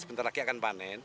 sebentar lagi akan panen